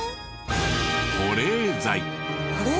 保冷剤？